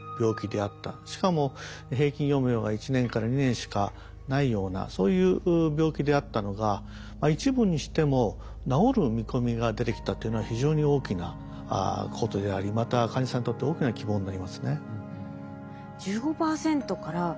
しかも平均余命が１年から２年しかないようなそういう病気であったのが一部にしても治る見込みが出てきたっていうのは非常に大きなことでありまた患者さんにとって大きな希望になりますね。